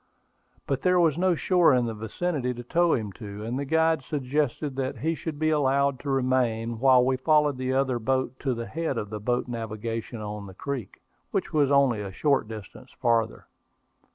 But there was no shore in the vicinity to tow him to; and the guide suggested that he should be allowed to remain, while we followed the other boat to the head of boat navigation on the creek, which was only a short distance farther.